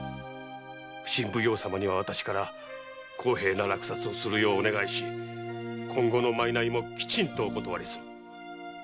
普請奉行様には私から公平な落札をするようお願いし今後の賂もきちんとお断りする。